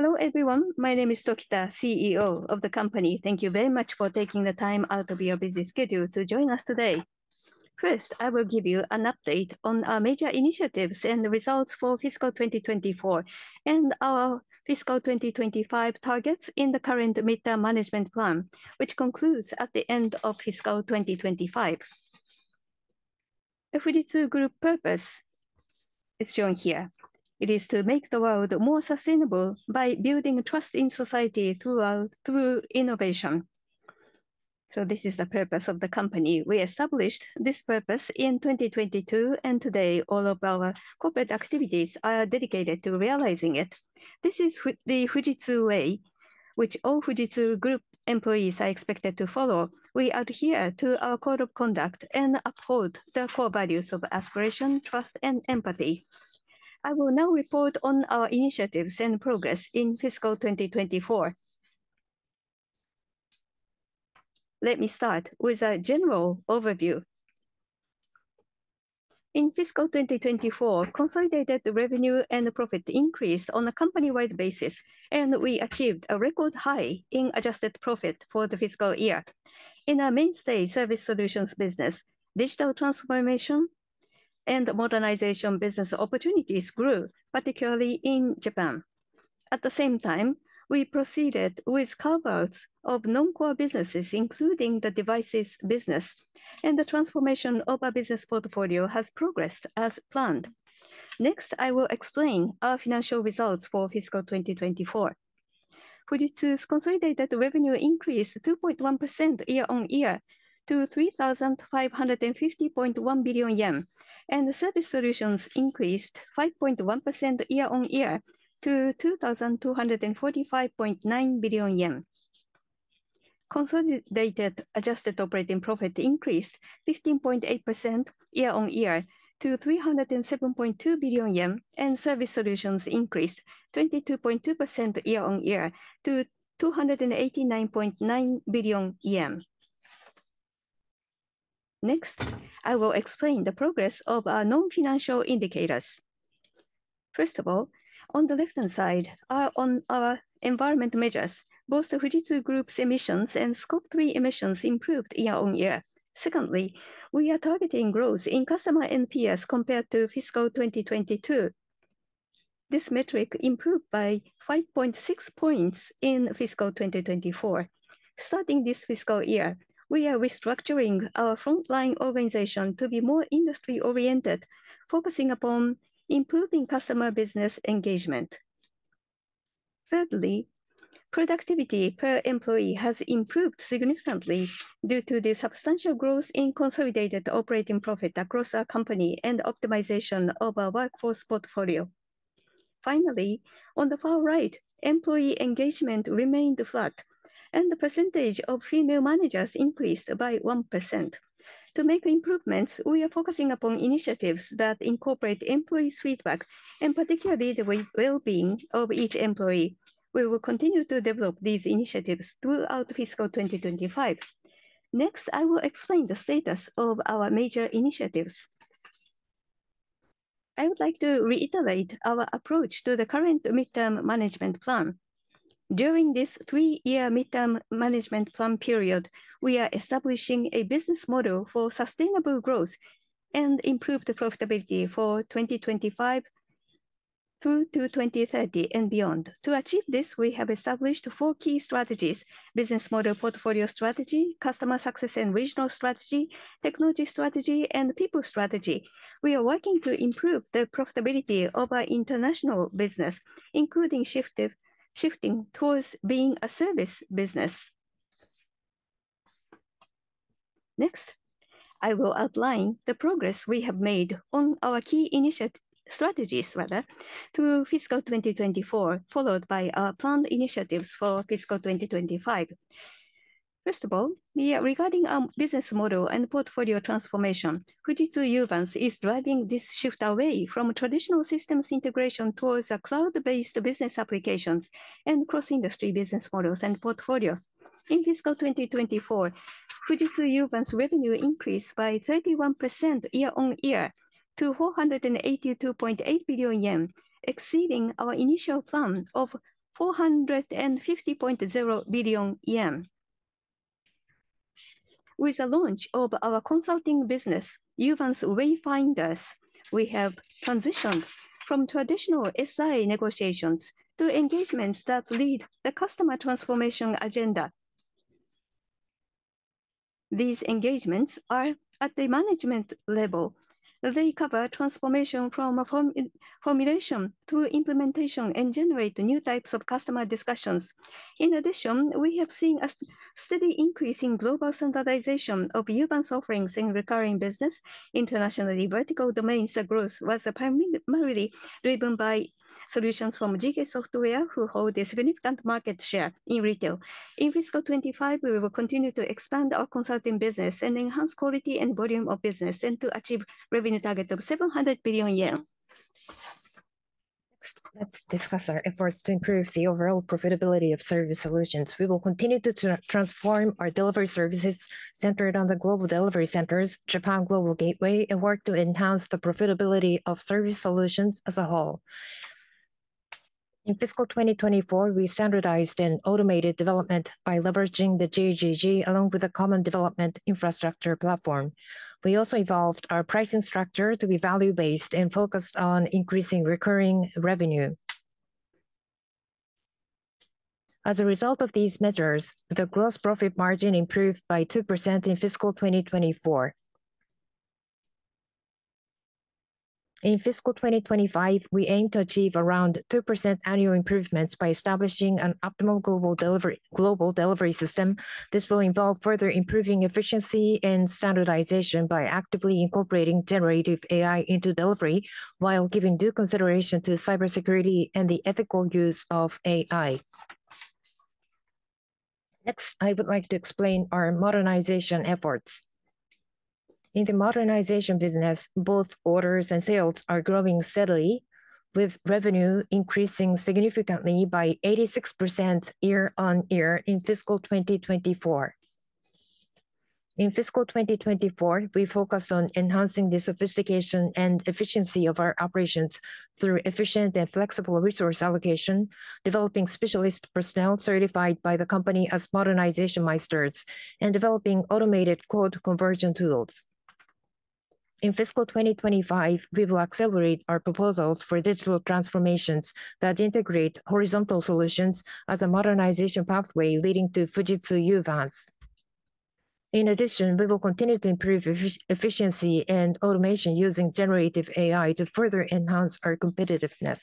Hello everyone, my name is Tokita, CEO of the company. Thank you very much for taking the time out of your busy schedule to join us today. First, I will give you an update on our major initiatives and results for fiscal 2024 and our fiscal 2025 targets in the current midterm management plan, which concludes at the end of fiscal 2025. The Fujitsu Group purpose is shown here. It is to make the world more sustainable by building trust in society through innovation. This is the purpose of the company. We established this purpose in 2022, and today all of our corporate activities are dedicated to realizing it. This is the Fujitsu Way, which all Fujitsu Group employees are expected to follow. We adhere to our code of conduct and uphold the core values of aspiration, trust, and empathy. I will now report on our initiatives and progress in fiscal 2024. Let me start with a general overview. In fiscal 2024, consolidated revenue and profit increased on a company-wide basis, and we achieved a record high in adjusted profit for the fiscal year. In our mainstay service solutions business, digital transformation and modernization business opportunities grew, particularly in Japan. At the same time, we proceeded with carve-outs of non-core businesses, including the devices business, and the transformation of our business portfolio has progressed as planned. Next, I will explain our financial results for fiscal 2024. Fujitsu's consolidated revenue increased 2.1% year-on-year to 3,550.1 billion yen, and service solutions increased 5.1% year-on-year to 2,245.9 billion yen. Consolidated adjusted operating profit increased 15.8% year-on-year to 307.2 billion yen, and service solutions increased 22.2% year-on-year to 289.9 billion yen. Next, I will explain the progress of our non-financial indicators. First of all, on the left-hand side are our environment measures. Both the Fujitsu Group's emissions and Scope 3 emissions improved year-on-year. Secondly, we are targeting growth in customer and peers compared to fiscal 2022. This metric improved by 5.6 points in fiscal 2024. Starting this fiscal year, we are restructuring our frontline organization to be more industry-oriented, focusing upon improving customer business engagement. Thirdly, productivity per employee has improved significantly due to the substantial growth in consolidated operating profit across our company and optimization of our workforce portfolio. Finally, on the far right, employee engagement remained flat, and the percentage of female managers increased by 1%. To make improvements, we are focusing upon initiatives that incorporate employee feedback, and particularly the well-being of each employee. We will continue to develop these initiatives throughout fiscal 2025. Next, I will explain the status of our major initiatives. I would like to reiterate our approach to the current midterm management plan. During this three-year midterm management plan period, we are establishing a business model for sustainable growth and improved profitability for 2025 through to 2030 and beyond. To achieve this, we have established four key strategies: business model portfolio strategy, customer success and regional strategy, technology strategy, and people strategy. We are working to improve the profitability of our international business, including shifting towards being a service business. Next, I will outline the progress we have made on our key strategies rather through fiscal 2024, followed by our planned initiatives for fiscal 2025. First of all, regarding our business model and portfolio transformation, Fujitsu Uvance is driving this shift away from traditional systems integration towards cloud-based business applications and cross-industry business models and portfolios. In fiscal 2024, Fujitsu Uvance's revenue increased by 31% year-on-year to 482.8 billion yen, exceeding our initial plan of 450.0 billion yen. With the launch of our consulting business, Uvance Wayfinders, we have transitioned from traditional SI negotiations to engagements that lead the customer transformation agenda. These engagements are at the management level. They cover transformation from formulation to implementation and generate new types of customer discussions. In addition, we have seen a steady increase in global standardization of Uvance's offerings in recurring business. Internationally, vertical domains growth was primarily driven by solutions from GK Software, who hold a significant market share in retail. In fiscal 2025, we will continue to expand our consulting business and enhance quality and volume of business and to achieve revenue targets of 700 billion yen. Next, let's discuss our efforts to improve the overall profitability of service solutions. We will continue to transform our delivery services centered on the global delivery centers, Japan Global Gateway, and work to enhance the profitability of service solutions as a whole. In fiscal 2024, we standardized and automated development by leveraging the JGG along with the common development infrastructure platform. We also evolved our pricing structure to be value-based and focused on increasing recurring revenue. As a result of these measures, the gross profit margin improved by 2% in fiscal 2024. In fiscal 2025, we aim to achieve around 2% annual improvements by establishing an optimal global delivery system. This will involve further improving efficiency and standardization by actively incorporating generative AI into delivery while giving due consideration to cybersecurity and the ethical use of AI. Next, I would like to explain our modernization efforts. In the modernization business, both orders and sales are growing steadily, with revenue increasing significantly by 86% year-on-year in fiscal 2024. In fiscal 2024, we focused on enhancing the sophistication and efficiency of our operations through efficient and flexible resource allocation, developing specialist personnel certified by the company as modernization masters, and developing automated code conversion tools. In fiscal 2025, we will accelerate our proposals for digital transformations that integrate horizontal solutions as a modernization pathway leading to Fujitsu Uvance. In addition, we will continue to improve efficiency and automation using generative AI to further enhance our competitiveness.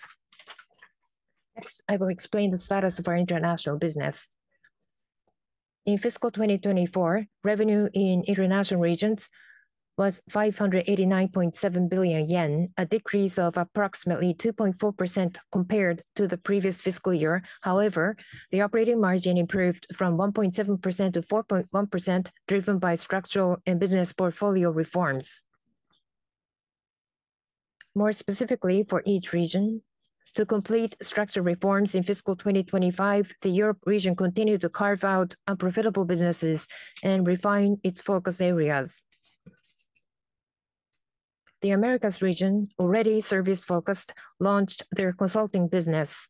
Next, I will explain the status of our international business. In fiscal 2024, revenue in international regions was 589.7 billion yen, a decrease of approximately 2.4% compared to the previous fiscal year. However, the operating margin improved from 1.7% to 4.1%, driven by structural and business portfolio reforms. More specifically, for each region, to complete structural reforms in fiscal 2025, the Europe region continued to carve out unprofitable businesses and refine its focus areas. The Americas region, already service-focused, launched their consulting business.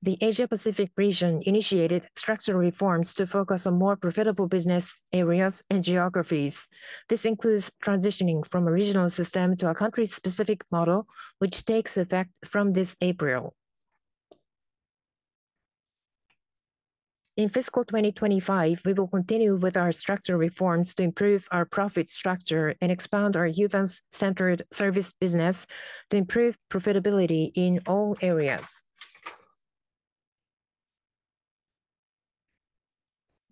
The Asia-Pacific region initiated structural reforms to focus on more profitable business areas and geographies. This includes transitioning from a regional system to a country-specific model, which takes effect from this April. In fiscal 2025, we will continue with our structural reforms to improve our profit structure and expand our Uvance-centered service business to improve profitability in all areas.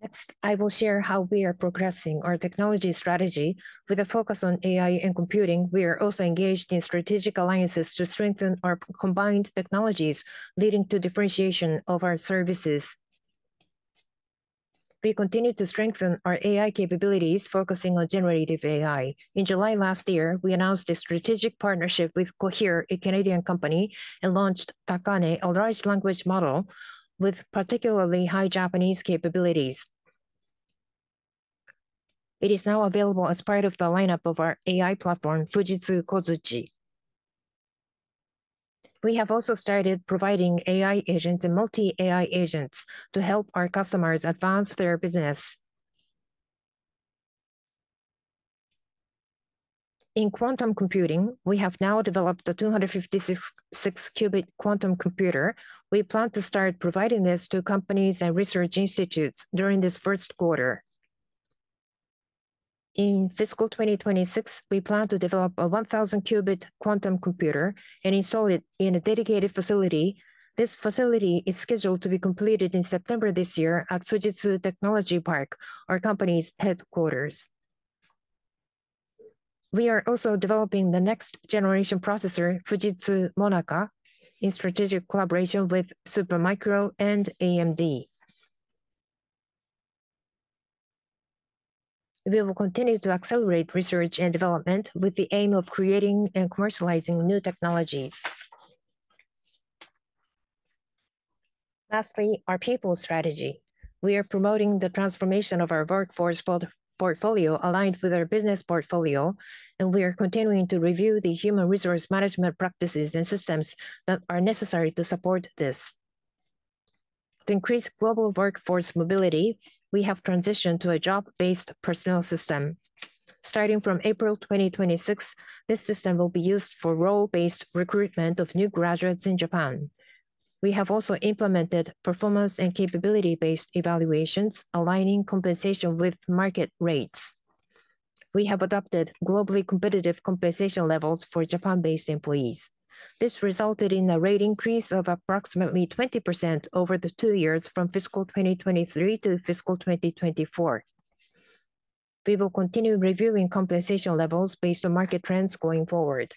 Next, I will share how we are progressing our technology strategy. With a focus on AI and computing, we are also engaged in strategic alliances to strengthen our combined technologies, leading to differentiation of our services. We continue to strengthen our AI capabilities, focusing on generative AI. In July last year, we announced a strategic partnership with Cohere, a Canadian company, and launched Takane, a large language model with particularly high Japanese capabilities. It is now available as part of the lineup of our AI platform, Fujitsu Kozuchi. We have also started providing AI agents and multi-AI agents to help our customers advance their business. In quantum computing, we have now developed the 256-qubit quantum computer. We plan to start providing this to companies and research institutes during this first quarter. In fiscal 2026, we plan to develop a 1,000-qubit quantum computer and install it in a dedicated facility. This facility is scheduled to be completed in September this year at Fujitsu Technology Park, our company's headquarters. We are also developing the next generation processor, Fujitsu MONAKA, in strategic collaboration with Super Micro Computer and AMD. We will continue to accelerate research and development with the aim of creating and commercializing new technologies. Lastly, our people strategy. We are promoting the transformation of our workforce portfolio aligned with our business portfolio, and we are continuing to review the human resource management practices and systems that are necessary to support this. To increase global workforce mobility, we have transitioned to a job-based personnel system. Starting from April 2026, this system will be used for role-based recruitment of new graduates in Japan. We have also implemented performance and capability-based evaluations, aligning compensation with market rates. We have adopted globally competitive compensation levels for Japan-based employees. This resulted in a rate increase of approximately 20% over the two years from fiscal 2023 to fiscal 2024. We will continue reviewing compensation levels based on market trends going forward.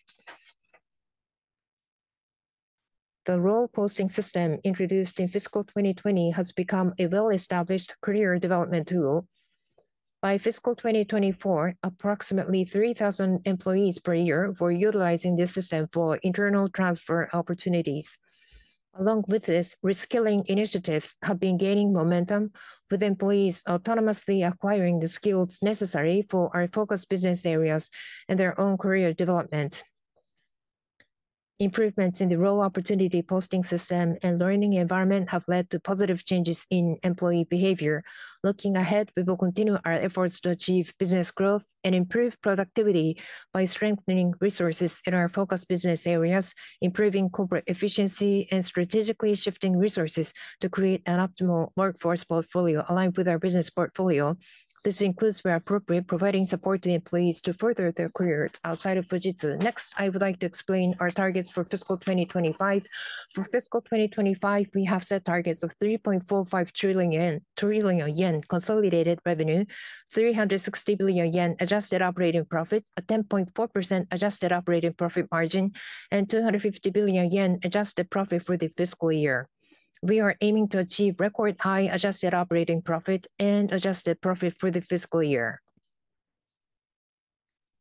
The role posting system introduced in fiscal 2020 has become a well-established career development tool. By fiscal 2024, approximately 3,000 employees per year were utilizing this system for internal transfer opportunities. Along with this, reskilling initiatives have been gaining momentum, with employees autonomously acquiring the skills necessary for our focus business areas and their own career development. Improvements in the role opportunity posting system and learning environment have led to positive changes in employee behavior. Looking ahead, we will continue our efforts to achieve business growth and improve productivity by strengthening resources in our focus business areas, improving corporate efficiency, and strategically shifting resources to create an optimal workforce portfolio aligned with our business portfolio. This includes where appropriate, providing support to employees to further their careers outside of Fujitsu. Next, I would like to explain our targets for fiscal 2025. For fiscal 2025, we have set targets of 3.45 trillion yen consolidated revenue, 360 billion yen adjusted operating profit, a 10.4% adjusted operating profit margin, and 250 billion yen adjusted profit for the fiscal year. We are aiming to achieve record high adjusted operating profit and adjusted profit for the fiscal year.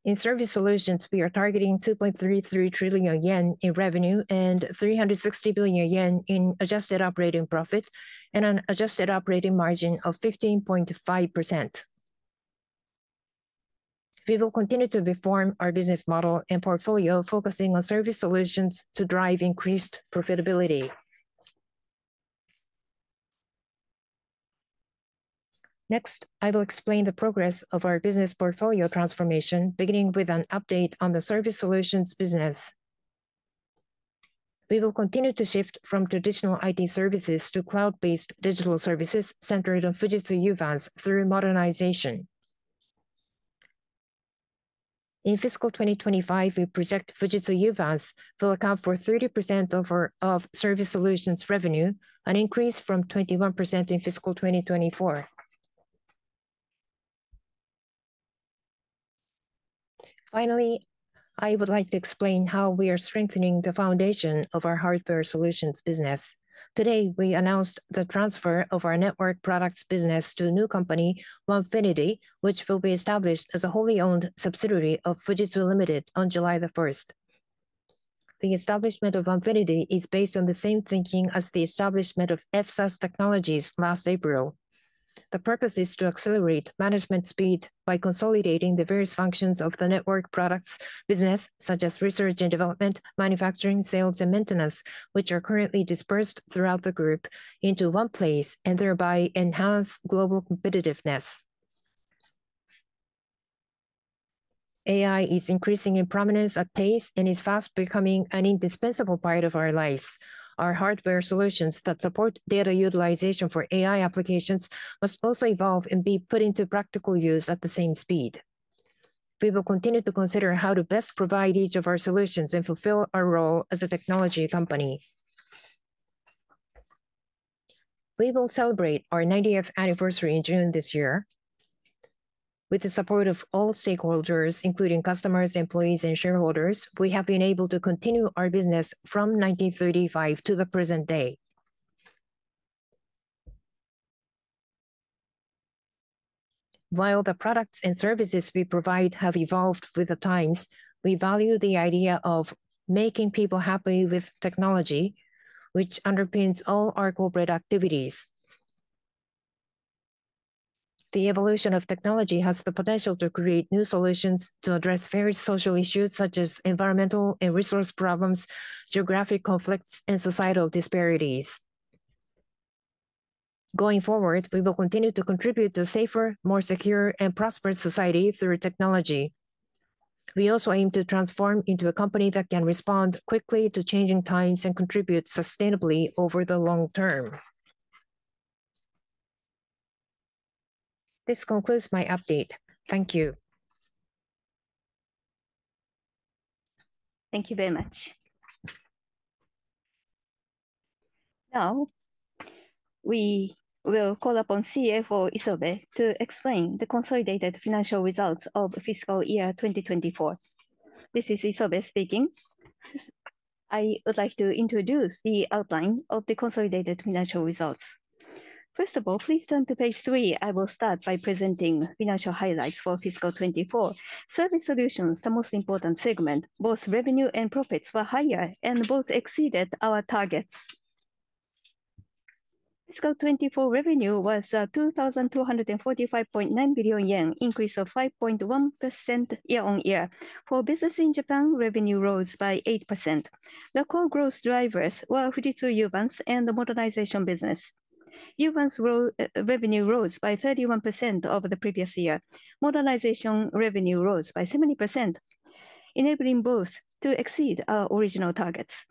In service solutions, we are targeting 2.33 trillion yen in revenue and 360 billion yen in adjusted operating profit and an adjusted operating margin of 15.5%. We will continue to reform our business model and portfolio, focusing on service solutions to drive increased profitability. Next, I will explain the progress of our business portfolio transformation, beginning with an update on the service solutions business. We will continue to shift from traditional IT services to cloud-based digital services centered on Fujitsu Uvance through modernization. In fiscal 2025, we project Fujitsu Uvance will account for 30% of service solutions revenue, an increase from 21% in fiscal 2024. Finally, I would like to explain how we are strengthening the foundation of our hardware solutions business. Today, we announced the transfer of our network products business to a new company, Onefinity, which will be established as a wholly owned subsidiary of Fujitsu Limited on July 1st. The establishment of Onefinity is based on the same thinking as the establishment of FSAS Technologies last April. The purpose is to accelerate management speed by consolidating the various functions of the network products business, such as research and development, manufacturing, sales, and maintenance, which are currently dispersed throughout the group, into one place and thereby enhance global competitiveness. AI is increasing in prominence at pace and is fast becoming an indispensable part of our lives. Our hardware solutions that support data utilization for AI applications must also evolve and be put into practical use at the same speed. We will continue to consider how to best provide each of our solutions and fulfill our role as a technology company. We will celebrate our 90th anniversary in June this year. With the support of all stakeholders, including customers, employees, and shareholders, we have been able to continue our business from 1935 to the present day. While the products and services we provide have evolved with the times, we value the idea of making people happy with technology, which underpins all our corporate activities. The evolution of technology has the potential to create new solutions to address various social issues such as environmental and resource problems, geographic conflicts, and societal disparities. Going forward, we will continue to contribute to a safer, more secure, and prosperous society through technology. We also aim to transform into a company that can respond quickly to changing times and contribute sustainably over the long term. This concludes my update. Thank you. Thank you very much. Now, we will call upon CFO Isobe to explain the consolidated financial results of fiscal year 2024. This is Isobe speaking. I would like to introduce the outline of the consolidated financial results. First of all, please turn to page three. I will start by presenting financial highlights for fiscal 2024. Service solutions, the most important segment, both revenue and profits were higher and both exceeded our targets. Fiscal 2024 revenue was 2,245.9 billion yen, an increase of 5.1% year-on-year. For business in Japan, revenue rose by 8%. The core growth drivers were Fujitsu Uvance and the modernization business. Uvance revenue rose by 31% over the previous year. Modernization revenue rose by 7%, enabling both to exceed our original targets.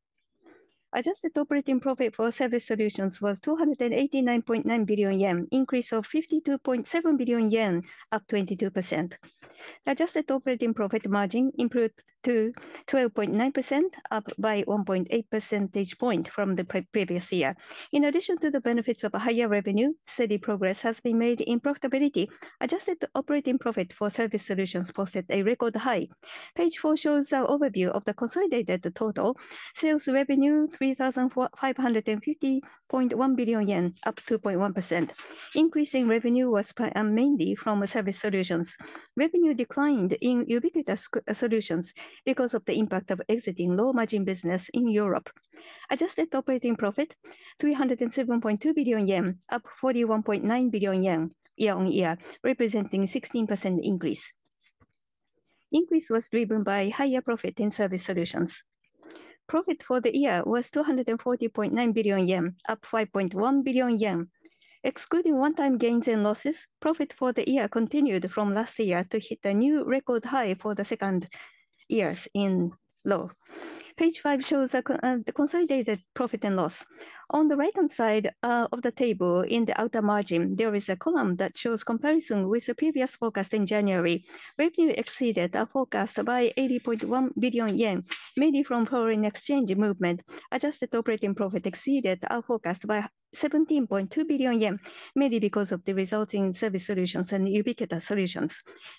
Adjusted operating profit for Service Solutions was 289.9 billion yen, an increase of 52.7 billion yen, up 22%. Adjusted operating profit margin improved to 12.9%, up by 1.8 percentage points from the previous year. In addition to the benefits of a higher revenue, steady progress has been made in profitability. Adjusted operating profit for service solutions posted a record high. Page four shows an overview of the consolidated total. Sales revenue was 3,550.1 billion yen, up 2.1%. Increasing revenue was mainly from service solutions. Revenue declined in ubiquitous solutions because of the impact of exiting low-margin business in Europe. Adjusted operating profit was 307.2 billion yen, up 41.9 billion yen year-on-year, representing a 16% increase. The increase was driven by higher profit in service solutions. Profit for the year was 240.9 billion yen, up 5.1 billion yen. Excluding one-time gains and losses, profit for the year continued from last year to hit a new record high for the second year in a row. Page five shows the consolidated profit and loss. On the right-hand side of the table, in the outer margin, there is a column that shows comparison with the previous forecast in January. Revenue exceeded our forecast by 80.1 billion yen, mainly from foreign exchange movement. Adjusted operating profit exceeded our forecast by 17.2 billion yen, mainly because of the resulting service solutions and ubiquitous solutions.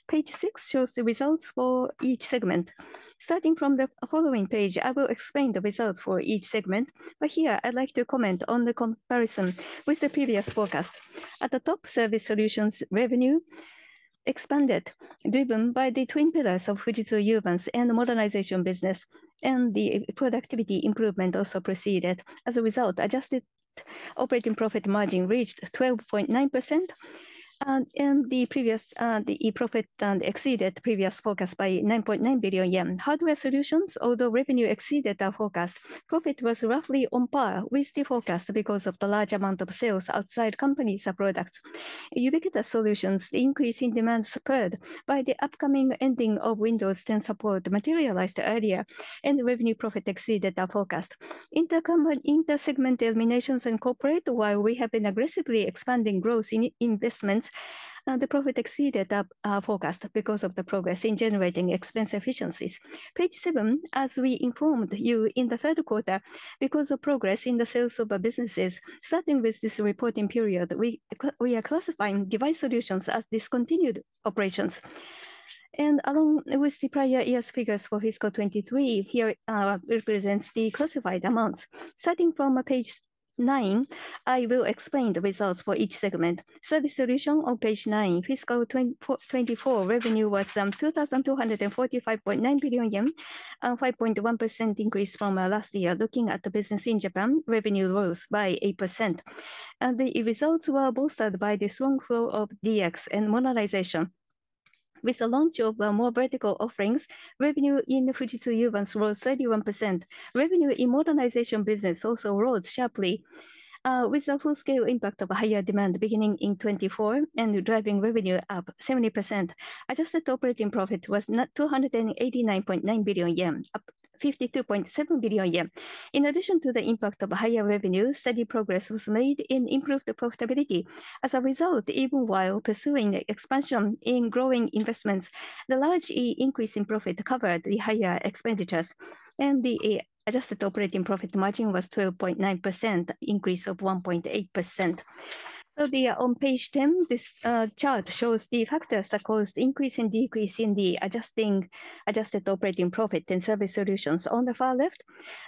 Page six shows the results for each segment. Starting from the following page, I will explain the results for each segment, but here I'd like to comment on the comparison with the previous forecast. At the top, service solutions revenue expanded, driven by the twin pillars of Fujitsu Uvance and the modernization business, and the productivity improvement also proceeded. As a result, adjusted operating profit margin reached 12.9%, and the previous profit exceeded the previous forecast by 9.9 billion yen. Hardware solutions, although revenue exceeded our forecast, profit was roughly on par with the forecast because of the large amount of sales outside companies' products. Ubiquitous Solutions, the increase in demand supported by the upcoming ending of Windows 10 support materialized earlier, and revenue profit exceeded our forecast. Inter-segment eliminations and corporate, while we have been aggressively expanding growth in investments, the profit exceeded our forecast because of the progress in generating expense efficiencies. Page seven, as we informed you in the third quarter, because of progress in the sales of our businesses, starting with this reporting period, we are classifying device solutions as discontinued operations. Along with the prior year's figures for fiscal 2023, here are represented the classified amounts. Starting from page nine, I will explain the results for each segment. Service solution on page nine, fiscal 2024 revenue was 2,245.9 billion yen, a 5.1% increase from last year. Looking at the business in Japan, revenue rose by 8%. The results were bolstered by the strong flow of DX and modernization. With the launch of more vertical offerings, revenue in Fujitsu Uvance rose 31%. Revenue in modernization business also rose sharply, with a full-scale impact of higher demand beginning in 2024 and driving revenue up 70%. Adjusted operating profit was 289.9 billion yen, up 52.7 billion yen. In addition to the impact of higher revenue, steady progress was made in improved profitability. As a result, even while pursuing expansion in growing investments, the large increase in profit covered the higher expenditures, and the adjusted operating profit margin was 12.9%, an increase of 1.8%. On page 10, this chart shows the factors that caused increase and decrease in the adjusted operating profit and service solutions. On the far left,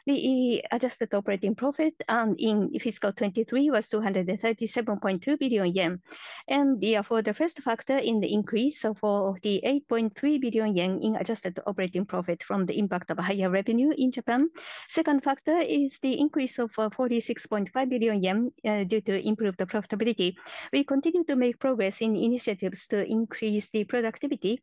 the adjusted operating profit in fiscal 2023 was 237.2 billion yen, and we are for the first factor in the increase of 48.3 billion yen in adjusted operating profit from the impact of higher revenue in Japan. The second factor is the increase of 46.5 billion yen due to improved profitability. We continue to make progress in initiatives to increase the productivity,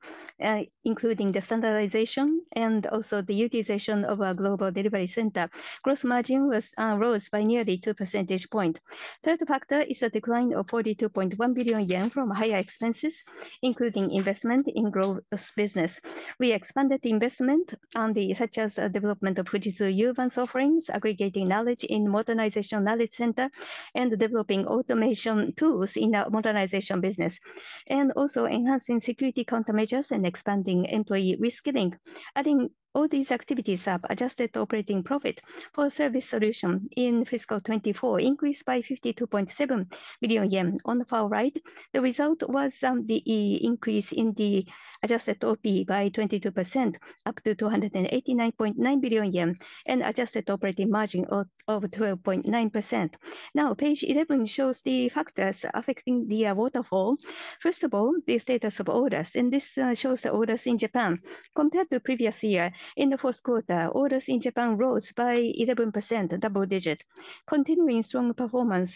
including the standardization and also the utilization of our global delivery center. Gross margin rose by nearly 2 percentage points. The third factor is a decline of 42.1 billion yen from higher expenses, including investment in growth business. We expanded investment on the such as the development of Fujitsu Uvance offerings, aggregating knowledge in modernization knowledge center, and developing automation tools in our modernization business, and also enhancing security countermeasures and expanding employee risk link. Adding all these activities up, adjusted operating profit for service solution in fiscal 2024 increased by 52.7 billion yen. On the far right, the result was the increase in the adjusted OP by 22%, up to 289.9 billion yen, and adjusted operating margin of 12.9%. Now, page 11 shows the factors affecting the waterfall. First of all, the status of orders, and this shows the orders in Japan. Compared to the previous year, in the first quarter, orders in Japan rose by 11%, double-digit, continuing strong performance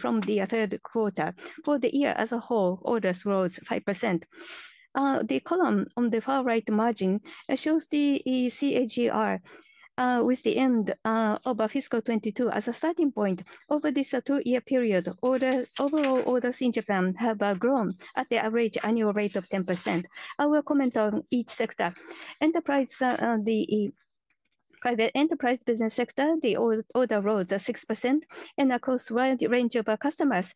from the third quarter. For the year as a whole, orders rose 5%. The column on the far right margin shows the CAGR with the end of fiscal 2022 as a starting point. Over this two-year period, overall orders in Japan have grown at the average annual rate of 10%. I will comment on each sector. Enterprise, the private enterprise business sector, the order rose 6%, and across a wide range of customers,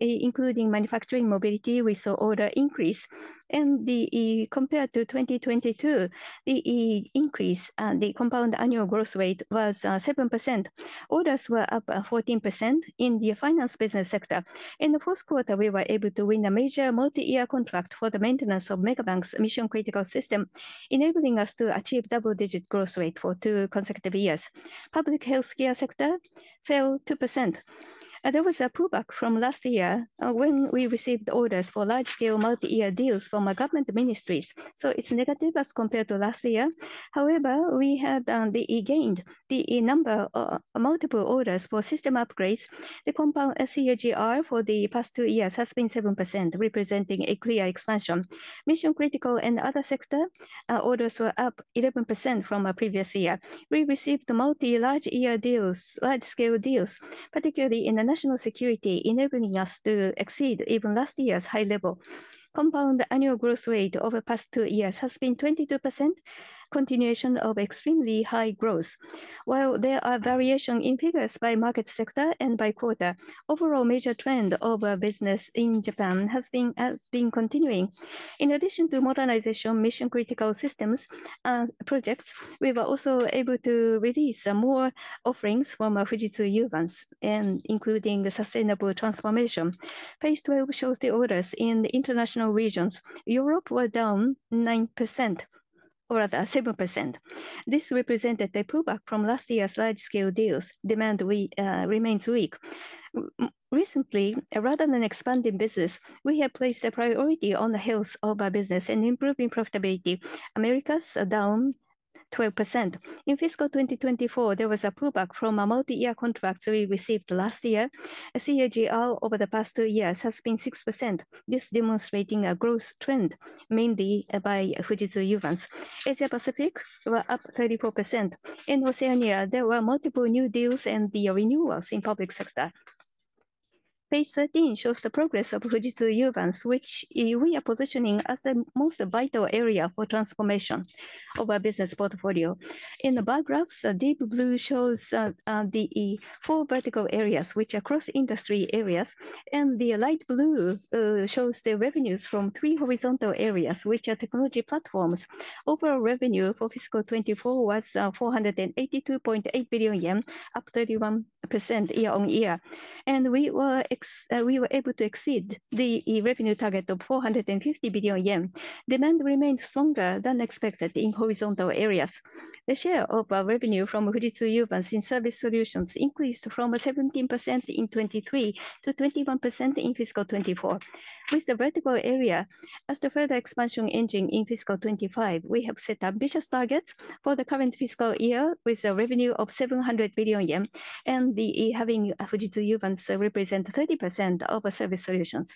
including manufacturing mobility, we saw order increase. Compared to 2022, the increase and the compound annual growth rate was 7%. Orders were up 14% in the finance business sector. In the first quarter, we were able to win a major multi-year contract for the maintenance of megabanks' mission-critical system, enabling us to achieve double-digit growth rate for two consecutive years. Public health care sector fell 2%. There was a pullback from last year when we received orders for large-scale multi-year deals from government ministries, so it's negative as compared to last year. However, we have gained the number of multiple orders for system upgrades. The compound CAGR for the past two years has been 7%, representing a clear expansion. Mission-critical and other sector orders were up 11% from our previous year. We received multi-year large-scale deals, particularly in the national security, enabling us to exceed even last year's high level. Compound annual growth rate over the past two years has been 22%, continuation of extremely high growth. While there are variations in figures by market sector and by quarter, overall major trend of business in Japan has been continuing. In addition to modernization, mission-critical systems projects, we were also able to release more offerings from Fujitsu Uvance, including sustainable transformation. Page 12 shows the orders in the international regions. Europe were down 9%, or rather 7%. This represented a pullback from last year's large-scale deals. Demand remains weak. Recently, rather than expanding business, we have placed a priority on the health of our business and improving profitability. Americas down 12%. In fiscal 2024, there was a pullback from a multi-year contract we received last year. CAGR over the past two years has been 6%. This demonstrates a growth trend mainly by Fujitsu Uvance. Asia-Pacific were up 34%. In Oceania, there were multiple new deals and renewals in public sector. Page 13 shows the progress of Fujitsu Uvance, which we are positioning as the most vital area for transformation of our business portfolio. In the bar graphs, deep blue shows the four vertical areas, which are cross-industry areas, and the light blue shows the revenues from three horizontal areas, which are technology platforms. Overall revenue for fiscal 2024 was 482.8 billion yen, up 31% year-on-year, and we were able to exceed the revenue target of 450 billion yen. Demand remained stronger than expected in horizontal areas. The share of revenue from Fujitsu Uvance in service solutions increased from 17% in 2023 to 21% in fiscal 2024. With the vertical area as the further expansion engine in fiscal 2025, we have set ambitious targets for the current fiscal year with a revenue of 700 billion yen, and having Fujitsu Uvance represent 30% of our service solutions.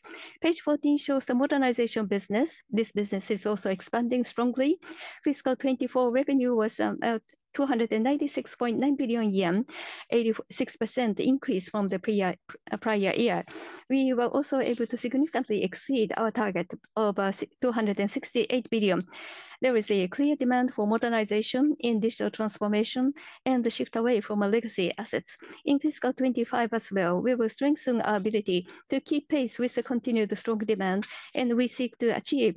Page 14 shows the modernization business. This business is also expanding strongly. Fiscal 2024 revenue was 296.9 billion yen, an 86% increase from the prior year. We were also able to significantly exceed our target of 268 billion. There is a clear demand for modernization in digital transformation and a shift away from legacy assets. In fiscal 2025 as well, we will strengthen our ability to keep pace with the continued strong demand, and we seek to achieve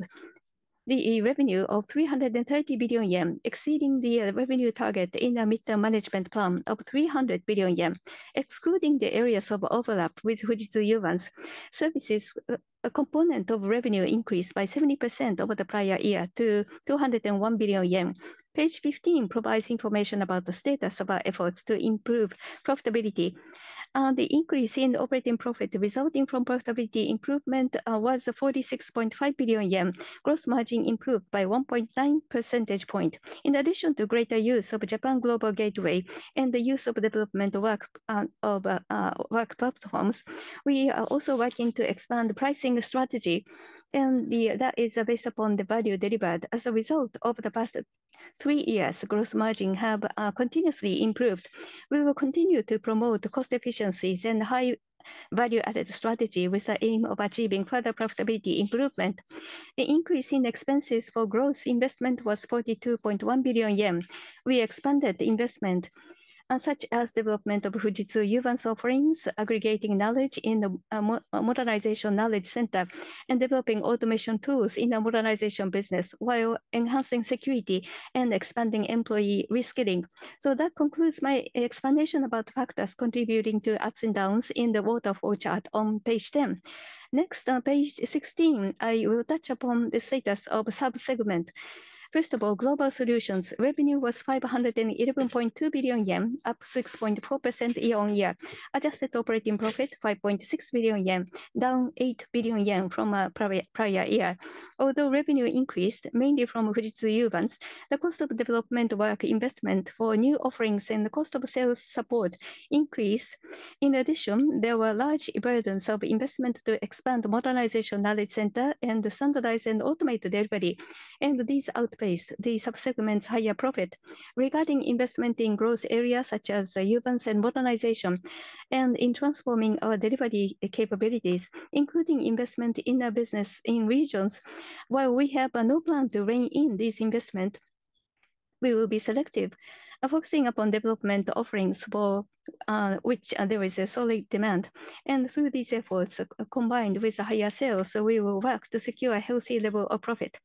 the revenue of 330 billion yen, exceeding the revenue target in a mid-term management plan of 300 billion yen, excluding the areas of overlap with Fujitsu Uvance. Services component of revenue increased by 70% over the prior year to 201 billion yen. Page 15 provides information about the status of our efforts to improve profitability. The increase in operating profit resulting from profitability improvement was 46.5 billion yen. Gross margin improved by 1.9 percentage points. In addition to greater use of Japan Global Gateway and the use of development work of work platforms, we are also working to expand the pricing strategy, and that is based upon the value delivered. As a result of the past three years, gross margin has continuously improved. We will continue to promote cost efficiencies and high value-added strategy with the aim of achieving further profitability improvement. The increase in expenses for gross investment was 42.1 billion yen. We expanded investment such as development of Fujitsu Uvance offerings, aggregating knowledge in the modernization knowledge center, and developing automation tools in the modernization business while enhancing security and expanding employee risk link. That concludes my explanation about factors contributing to ups and downs in the waterfall chart on page 10. Next, on page 16, I will touch upon the status of sub-segment. First of all, global solutions revenue was 511.2 billion yen, up 6.4% year-on-year. Adjusted operating profit 5.6 billion yen, down 8 billion yen from a prior year. Although revenue increased mainly from Fujitsu Uvance, the cost of development work investment for new offerings and the cost of sales support increased. In addition, there were large burdens of investment to expand the modernization knowledge center and standardize and automate delivery, and these outpaced the sub-segment's higher profit. Regarding investment in growth areas such as Uvance and modernization, and in transforming our delivery capabilities, including investment in our business in regions, while we have no plan to rein in this investment, we will be selective, focusing upon development offerings for which there is a solid demand. Through these efforts, combined with the higher sales, we will work to secure a healthy level of profit.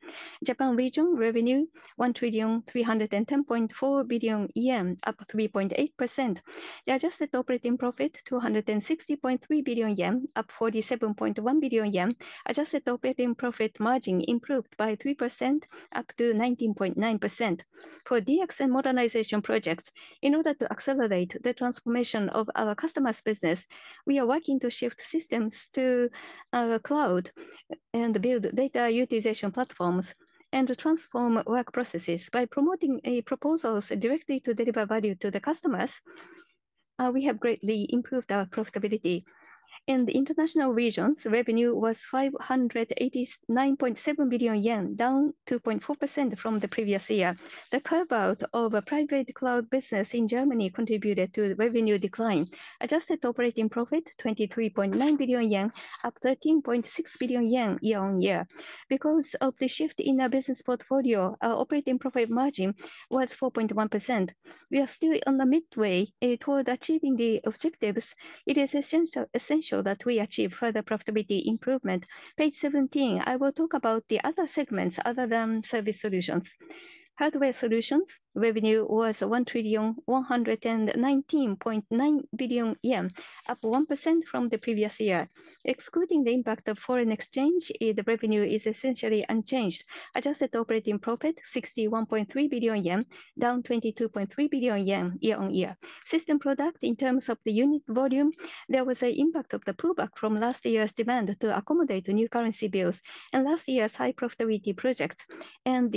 Japan region revenue, 1,310.4 billion yen, up 3.8%. The adjusted operating profit, 260.3 billion yen, up 47.1 billion yen. Adjusted operating profit margin improved by 3%, up to 19.9%. For DX and modernization projects, in order to accelerate the transformation of our customers' business, we are working to shift systems to our cloud and build data utilization platforms and transform work processes by promoting proposals directly to deliver value to the customers. We have greatly improved our profitability. In the international regions, revenue was 589.7 billion yen, down 2.4% from the previous year. The carve-out of a private cloud business in Germany contributed to the revenue decline. Adjusted operating profit, 23.9 billion yen, up 13.6 billion yen year-on-year. Because of the shift in our business portfolio, our operating profit margin was 4.1%. We are still on the midway toward achieving the objectives. It is essential that we achieve further profitability improvement. Page 17, I will talk about the other segments other than service solutions. Hardware solutions, revenue was 1,119.9 billion yen, up 1% from the previous year. Excluding the impact of foreign exchange, the revenue is essentially unchanged. Adjusted operating profit, 61.3 billion yen, down 22.3 billion yen year-on-year. System product, in terms of the unit volume, there was an impact of the pullback from last year's demand to accommodate new currency bills and last year's high profitability projects. An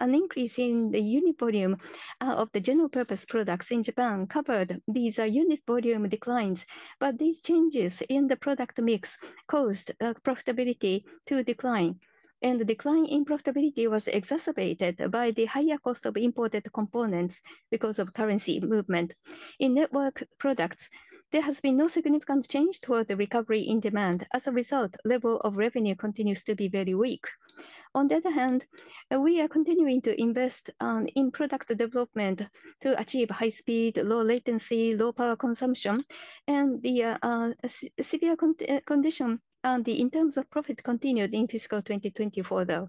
increase in the unit volume of the general-purpose products in Japan covered these unit volume declines, but these changes in the product mix caused profitability to decline. The decline in profitability was exacerbated by the higher cost of imported components because of currency movement. In network products, there has been no significant change toward the recovery in demand. As a result, the level of revenue continues to be very weak. On the other hand, we are continuing to invest in product development to achieve high speed, low latency, low power consumption, and the severe condition in terms of profit continued in fiscal 2024, though.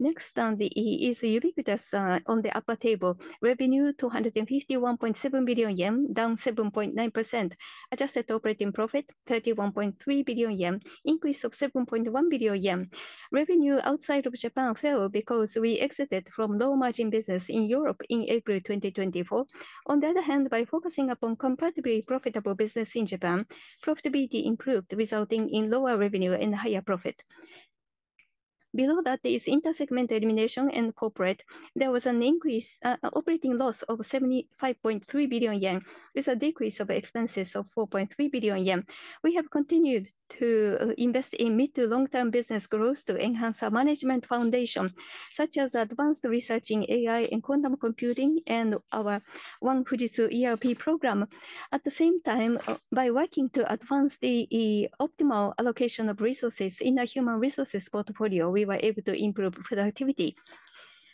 Next on the is Ubiquitous on the upper table, revenue 251.7 billion yen, down 7.9%. Adjusted operating profit, 31.3 billion yen, increase of 7.1 billion yen. Revenue outside of Japan fell because we exited from low-margin business in Europe in April 2024. On the other hand, by focusing upon comparatively profitable business in Japan, profitability improved, resulting in lower revenue and higher profit. Below that is intersegment elimination and corporate. There was an increase in operating loss of 75.3 billion yen, with a decrease of expenses of 4.3 billion yen. We have continued to invest in mid-to-long-term business growth to enhance our management foundation, such as advanced research in AI and quantum computing and our One Fujitsu ERP program. At the same time, by working to advance the optimal allocation of resources in our human resources portfolio, we were able to improve productivity.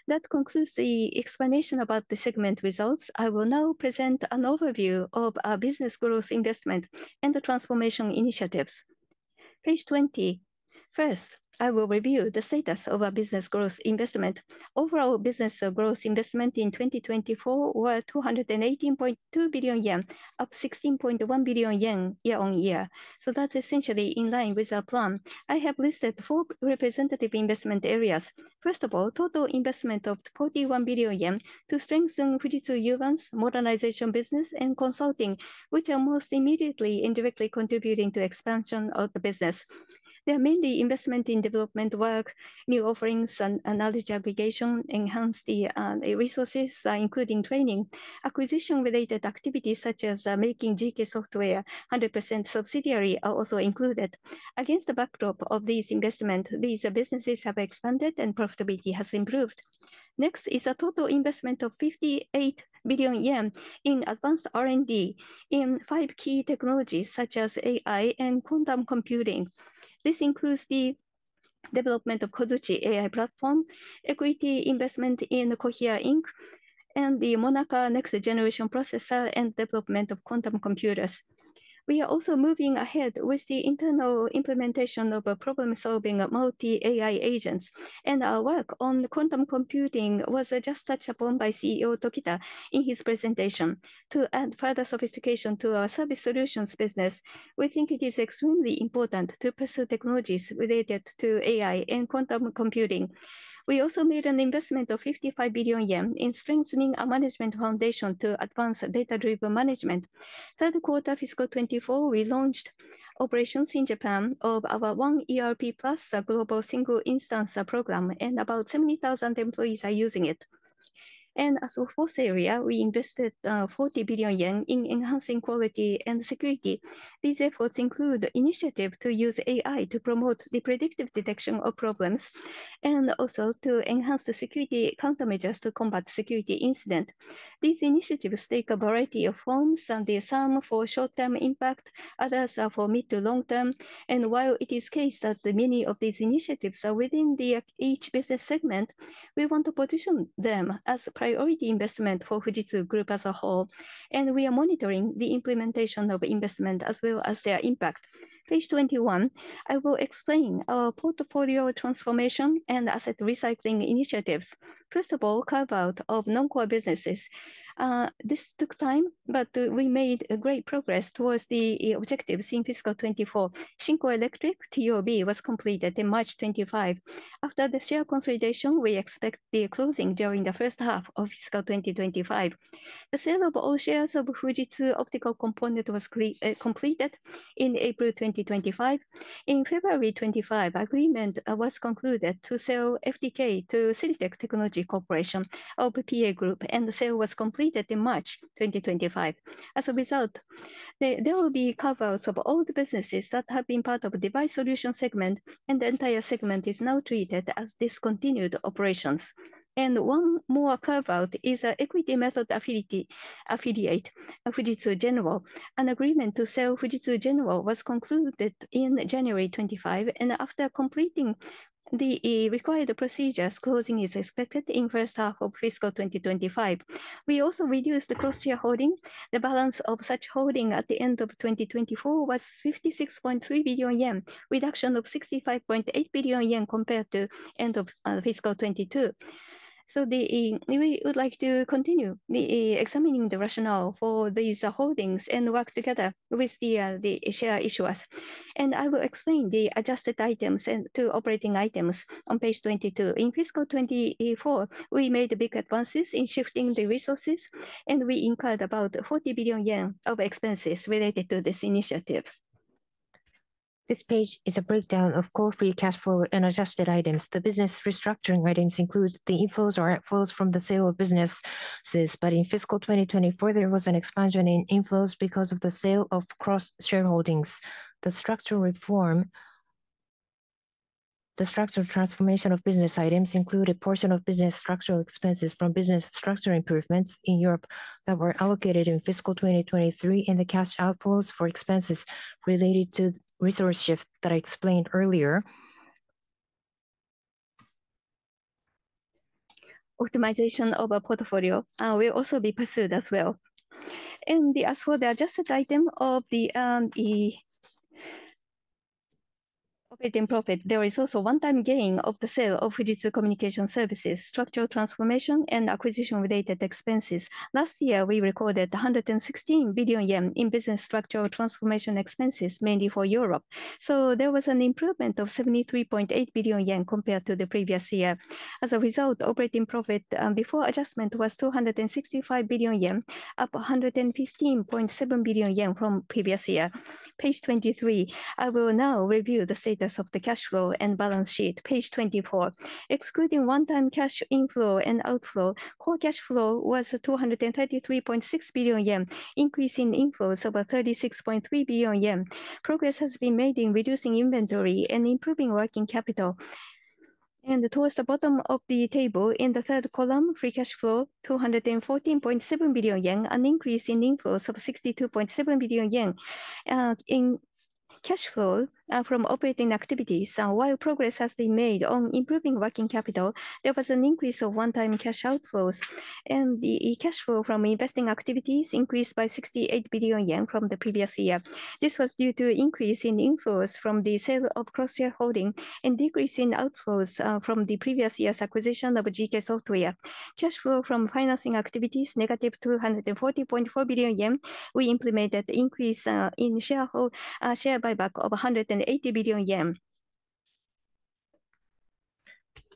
That concludes the explanation about the segment results. I will now present an overview of our business growth investment and the transformation initiatives. Page 20. First, I will review the status of our business growth investment. Overall business growth investment in 2024 was 218.2 billion yen, up 16.1 billion yen year-on-year. That is essentially in line with our plan. I have listed four representative investment areas. First of all, total investment of 41 billion yen to strengthen Fujitsu Uvance's modernization business and consulting, which are most immediately and directly contributing to the expansion of the business. There are mainly investments in development work, new offerings, and knowledge aggregation, enhanced resources, including training. Acquisition-related activities, such as making GK Software a 100% subsidiary, are also included. Against the backdrop of these investments, these businesses have expanded and profitability has improved. Next is a total investment of 58 billion yen in advanced R&D in five key technologies, such as AI and quantum computing. This includes the development of the Kozuchi AI platform, equity investment in Cohere, and the MONAKA next-generation processor and development of quantum computers. We are also moving ahead with the internal implementation of problem-solving multi-AI agents, and our work on quantum computing was just touched upon by CEO Tokita in his presentation. To add further sophistication to our service solutions business, we think it is extremely important to pursue technologies related to AI and quantum computing. We also made an investment of 55 billion yen in strengthening our management foundation to advance data-driven management. Third quarter fiscal 2024, we launched operations in Japan of our One ERP Plus Global Single Instance program, and about 70,000 employees are using it. As a fourth area, we invested 40 billion yen in enhancing quality and security. These efforts include initiatives to use AI to promote the predictive detection of problems and also to enhance the security countermeasures to combat security incidents. These initiatives take a variety of forms, some for short-term impact, others for mid-to-long-term. While it is the case that many of these initiatives are within each business segment, we want to position them as a priority investment for Fujitsu Group as a whole, and we are monitoring the implementation of investment as well as their impact. Page 21, I will explain our portfolio transformation and asset recycling initiatives. First of all, carve-out of non-core businesses. This took time, but we made great progress towards the objectives in fiscal 2024. Shinko Electric TOB was completed in March 2025. After the share consolidation, we expect the closing during the first half of fiscal 2025. The sale of all shares of Fujitsu Optical Component was completed in April 2025. In February 2025, agreement was concluded to sell FDK to Silitec Technology Corporation of PA Group, and the sale was completed in March 2025. As a result, there will be carve-outs of all the businesses that have been part of the device solutions segment, and the entire segment is now treated as discontinued operations. One more carve-out is an equity-method affiliate, Fujitsu General. An agreement to sell Fujitsu General was concluded in January 25, and after completing the required procedures, closing is expected in the first half of fiscal 2025. We also reduced the cross-share holding. The balance of such holding at the end of 2024 was 56.3 billion yen, a reduction of 65.8 billion yen compared to the end of fiscal 2022. We would like to continue examining the rationale for these holdings and work together with the share issuers. I will explain the adjusted items and two operating items on page 22. In fiscal 2024, we made big advances in shifting the resources, and we incurred about 40 billion yen of expenses related to this initiative. This page is a breakdown of core free cash flow and adjusted items. The business restructuring items include the inflows or outflows from the sale of businesses, but in fiscal 2024, there was an expansion in inflows because of the sale of cross-shareholdings. The structural reform, the structural transformation of business items include a portion of business structural expenses from business structural improvements in Europe that were allocated in fiscal 2023, and the cash outflows for expenses related to resource shift that I explained earlier. Optimization of a portfolio will also be pursued as well. As for the adjusted item of the operating profit, there is also one-time gain of the sale of Fujitsu Communication Services, structural transformation, and acquisition-related expenses. Last year, we recorded 116 billion yen in business structural transformation expenses, mainly for Europe. There was an improvement of 73.8 billion yen compared to the previous year. As a result, operating profit before adjustment was 265 billion yen, up 115.7 billion yen from the previous year. Page 23, I will now review the status of the cash flow and balance sheet. Page 24, excluding one-time cash inflow and outflow, core cash flow was 233.6 billion yen, increasing inflows of 36.3 billion yen. Progress has been made in reducing inventory and improving working capital. Towards the bottom of the table, in the third column, free cash flow, 214.7 billion yen, an increase in inflows of 62.7 billion yen in cash flow from operating activities. Progress has been made on improving working capital. There was an increase of one-time cash outflows, and the cash flow from investing activities increased by 68 billion yen from the previous year. This was due to an increase in inflows from the sale of cross-shareholding and a decrease in outflows from the previous year's acquisition of GK Software. Cash flow from financing activities, negative 240.4 billion yen, we implemented an increase in share buyback of 180 billion yen.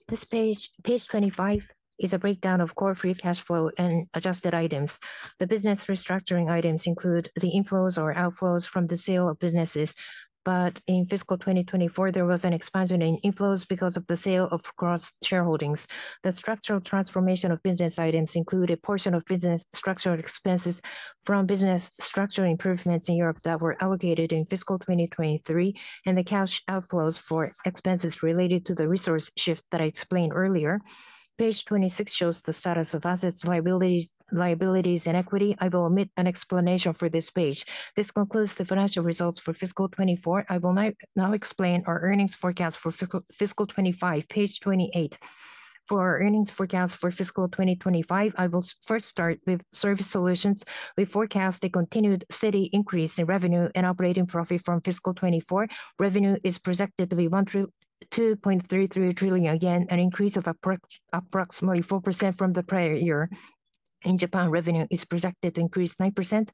This page, page 25, is a breakdown of core free cash flow and adjusted items. The business restructuring items include the inflows or outflows from the sale of businesses, but in fiscal 2024, there was an expansion in inflows because of the sale of cross-shareholdings. The structural transformation of business items includes a portion of business structural expenses from business structure improvements in Europe that were allocated in fiscal 2023, and the cash outflows for expenses related to the resource shift that I explained earlier. Page 26 shows the status of assets, liabilities, and equity. I will omit an explanation for this page. This concludes the financial results for fiscal 2024. I will now explain our earnings forecast for fiscal 2025. Page 28. For our earnings forecast for fiscal 2025, I will first start with service solutions. We forecast a continued steady increase in revenue and operating profit from fiscal 2024. Revenue is projected to be 1.33 trillion yen, an increase of approximately 4% from the prior year. In Japan, revenue is projected to increase 9%,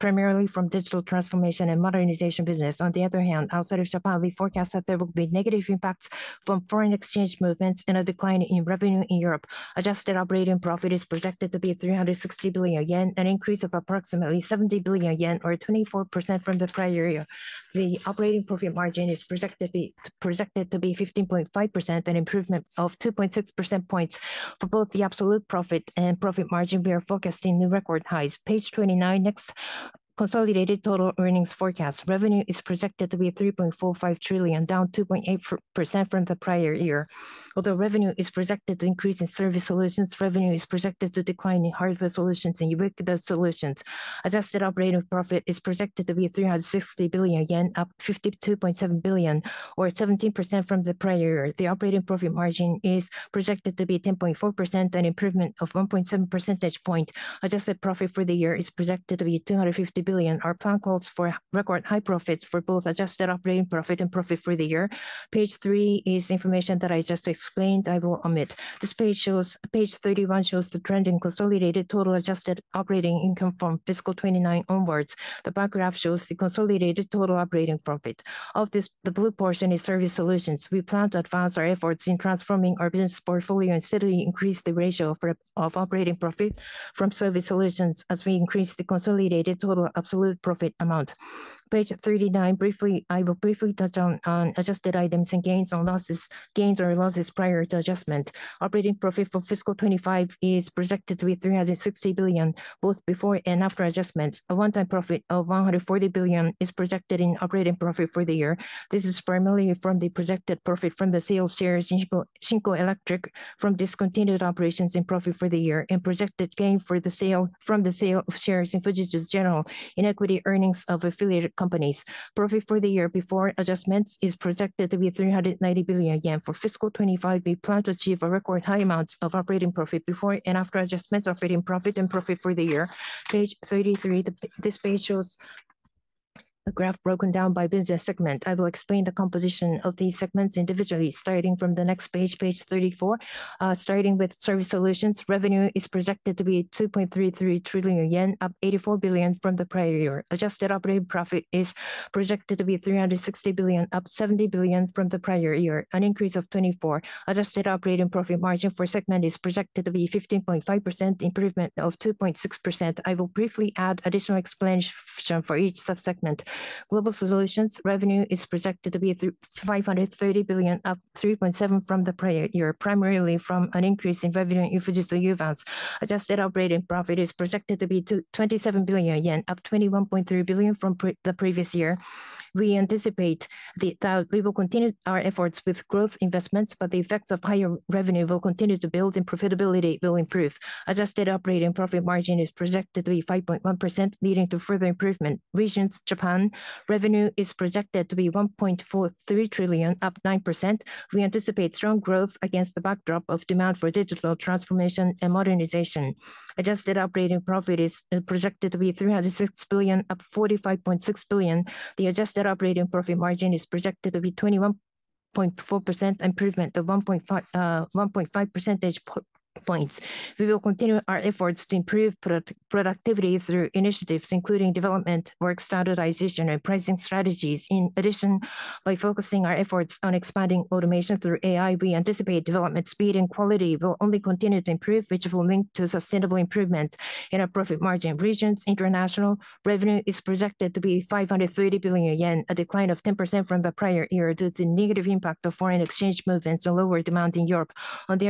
primarily from digital transformation and modernization business. On the other hand, outside of Japan, we forecast that there will be negative impacts from foreign exchange movements and a decline in revenue in Europe. Adjusted operating profit is projected to be 360 billion yen, an increase of approximately 70 billion yen, or 24% from the prior year. The operating profit margin is projected to be 15.5%, an improvement of 2.6 percentage points. For both the absolute profit and profit margin, we are focused on new record highs. Page 29, next, consolidated total earnings forecast. Revenue is projected to be 3.45 trillion, down 2.8% from the prior year. Although revenue is projected to increase in service solutions, revenue is projected to decline in hardware solutions and Ubiquitous Solutions. Adjusted operating profit is projected to be 360 billion yen, up 52.7 billion, or 17% from the prior year. The operating profit margin is projected to be 10.4%, an improvement of 1.7 percentage points. Adjusted profit for the year is projected to be 250 billion. Our plan calls for record high profits for both adjusted operating profit and profit for the year. Page 30 is information that I just explained. I will omit. Page 31 shows the trend in consolidated total adjusted operating income from fiscal 2029 onwards. The bar graph shows the consolidated total operating profit. Of this, the blue portion is service solutions. We plan to advance our efforts in transforming our business portfolio and steadily increase the ratio of operating profit from service solutions as we increase the consolidated total absolute profit amount. Page 39, briefly, I will briefly touch on adjusted items and gains and losses, gains or losses prior to adjustment. Operating profit for fiscal 2025 is projected to be 360 billion, both before and after adjustments. A one-time profit of 140 billion is projected in operating profit for the year. This is primarily from the projected profit from the sale of shares in Shinko Electric from discontinued operations in profit for the year and projected gain from the sale of shares in Fujitsu General in equity earnings of affiliated companies. Profit for the year before adjustments is projected to be 390 billion yen. For fiscal 2025, we plan to achieve a record high amount of operating profit before and after adjustments of operating profit and profit for the year. Page 33, this page shows a graph broken down by business segment. I will explain the composition of these segments individually, starting from the next page, page 34. Starting with service solutions, revenue is projected to be 2.33 trillion yen, up 84 billion from the prior year. Adjusted operating profit is projected to be 360 billion, up 70 billion from the prior year, an increase of 24%. Adjusted operating profit margin for segment is projected to be 15.5%, improvement of 2.6%. I will briefly add additional explanation for each subsegment. Global solutions, revenue is projected to be 530 billion, up 3.7% from the prior year, primarily from an increase in revenue in Fujitsu Uvance. Adjusted operating profit is projected to be 27 billion yen, up 21.3 billion from the previous year. We anticipate that we will continue our efforts with growth investments, but the effects of higher revenue will continue to build and profitability will improve. Adjusted operating profit margin is projected to be 5.1%, leading to further improvement. Regions, Japan, revenue is projected to be 1.43 trillion, up 9%. We anticipate strong growth against the backdrop of demand for digital transformation and modernization. Adjusted operating profit is projected to be 306 billion, up 45.6 billion. The adjusted operating profit margin is projected to be 21.4%, improvement of 1.5 percentage points. We will continue our efforts to improve productivity through initiatives, including development, work standardization, and pricing strategies. In addition, by focusing our efforts on expanding automation through AI, we anticipate development speed and quality will only continue to improve, which will lead to sustainable improvement in our profit margin. Regions, international revenue is projected to be 530 billion yen, a decline of 10% from the prior year due to the negative impact of foreign exchange movements and lower demand in Europe. On the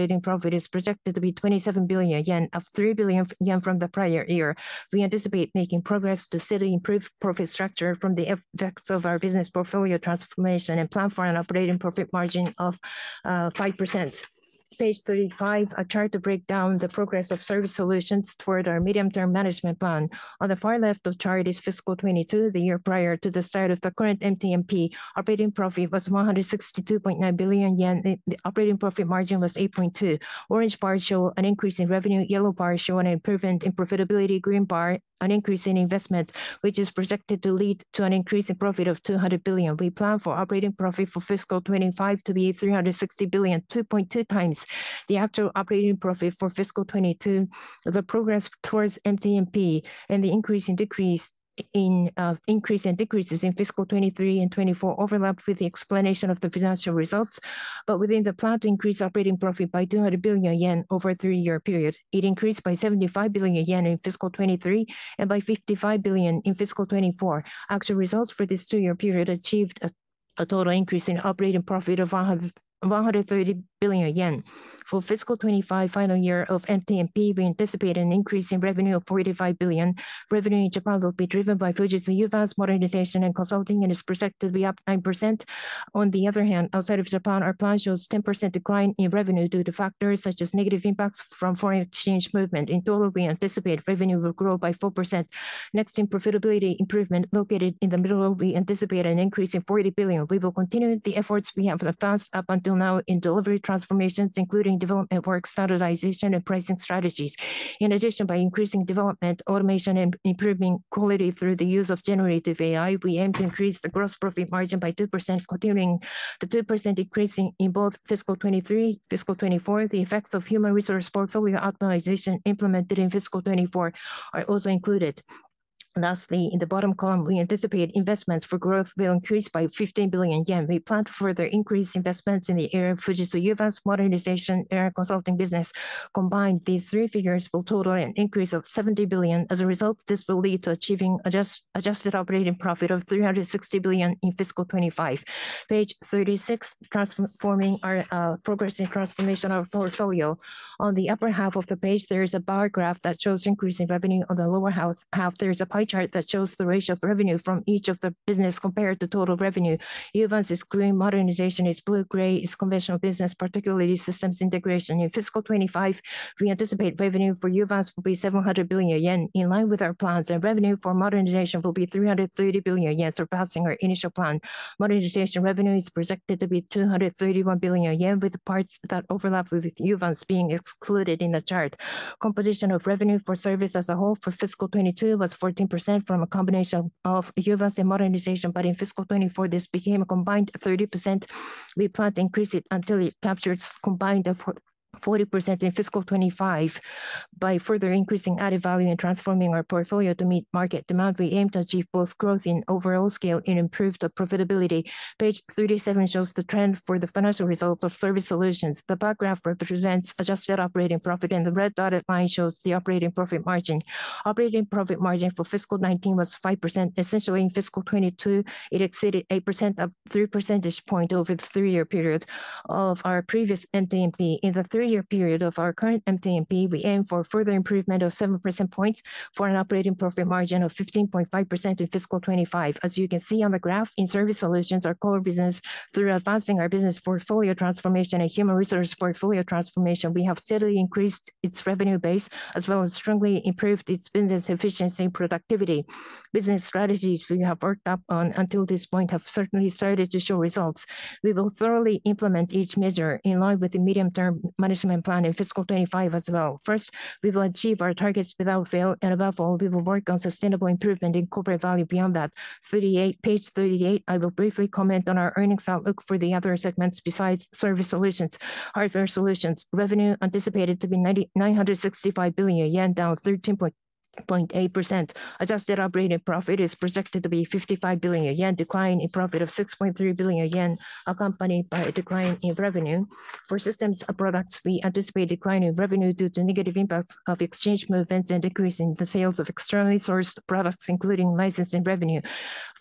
other hand, adjusted operating profit is projected to be 27 billion yen, up 3 billion yen from the prior year. We anticipate making progress to steadily improve profit structure from the effects of our business portfolio transformation and plan for an operating profit margin of 5%. Page 35, a chart to break down the progress of service solutions toward our medium-term management plan. On the far left of the chart is fiscal 2022, the year prior to the start of the current MTMP. Operating profit was 162.9 billion yen. The operating profit margin was 8.2%. Orange bars show an increase in revenue. Yellow bars show an improvement in profitability. Green bar, an increase in investment, which is projected to lead to an increase in profit of 200 billion. We plan for operating profit for fiscal 2025 to be 360 billion, 2.2 times the actual operating profit for fiscal 2022. The progress towards MTMP and the increase in decrease in increase and decreases in fiscal 2023 and fiscal 2024 overlap with the explanation of the financial results, but within the plan to increase operating profit by 200 billion yen over a three-year period. It increased by 75 billion yen in fiscal 2023 and by 55 billion in fiscal 2024. Actual results for this two-year period achieved a total increase in operating profit of 130 billion yen. For fiscal 2025, final year of MTMP, we anticipate an increase in revenue of 45 billion. Revenue in Japan will be driven by Fujitsu Uvance's modernization and consulting, and is projected to be up 9%. On the other hand, outside of Japan, our plan shows a 10% decline in revenue due to factors such as negative impacts from foreign exchange movement. In total, we anticipate revenue will grow by 4%. Next, in profitability improvement, located in the middle, we anticipate an increase in 40 billion. We will continue the efforts we have advanced up until now in delivery transformations, including development work, standardization, and pricing strategies. In addition, by increasing development, automation, and improving quality through the use of generative AI, we aim to increase the gross profit margin by 2%, continuing the 2% increase in both fiscal 2023 and fiscal 2024. The effects of human resource portfolio optimization implemented in fiscal 2024 are also included. Lastly, in the bottom column, we anticipate investments for growth will increase by 15 billion yen. We plan to further increase investments in the area of Fujitsu Uvance's modernization and consulting business. Combined, these three figures will total an increase of 70 billion. As a result, this will lead to achieving adjusted operating profit of 360 billion in fiscal 2025. Page 36, transforming our progress in transformation of our portfolio. On the upper half of the page, there is a bar graph that shows increasing revenue. On the lower half, there is a pie chart that shows the ratio of revenue from each of the businesses compared to total revenue. Uvance's green modernization is blue-gray; it's conventional business, particularly systems integration. In fiscal 2025, we anticipate revenue for Uvance will be 700 billion yen, in line with our plans, and revenue for modernization will be 330 billion yen, surpassing our initial plan. Modernization revenue is projected to be 231 billion yen, with parts that overlap with Uvance being excluded in the chart. Composition of revenue for service as a whole for fiscal 2022 was 14% from a combination of Uvance and modernization, but in fiscal 2024, this became a combined 30%. We plan to increase it until it captures a combined 40% in fiscal 2025 by further increasing added value and transforming our portfolio to meet market demand. We aim to achieve both growth in overall scale and improve the profitability. Page 37 shows the trend for the financial results of service solutions. The bar graph represents adjusted operating profit, and the red dotted line shows the operating profit margin. Operating profit margin for fiscal 2019 was 5%. Essentially, in fiscal 2022, it exceeded 8%, up 3 percentage points over the three-year period of our previous MTMP. In the three-year period of our current MTMP, we aim for further improvement of 7 percentage points for an operating profit margin of 15.5% in fiscal 2025. As you can see on the graph, in service solutions, our core business, through advancing our business portfolio transformation and human resource portfolio transformation, we have steadily increased its revenue base as well as strongly improved its business efficiency and productivity. Business strategies we have worked up on until this point have certainly started to show results. We will thoroughly implement each measure in line with the medium-term management plan in fiscal 2025 as well. First, we will achieve our targets without fail, and above all, we will work on sustainable improvement in corporate value beyond that. Page 38, I will briefly comment on our earnings outlook for the other segments besides service solutions. Hardware solutions, revenue anticipated to be 965 billion yen, down 13.8%. Adjusted operating profit is projected to be 55 billion yen, a decline in profit of 6.3 billion yen, accompanied by a decline in revenue. For systems products, we anticipate a decline in revenue due to negative impacts of exchange movements and decrease in the sales of externally sourced products, including licensing revenue.